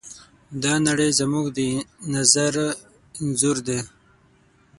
دا نړۍ زموږ د نظر انځور دی.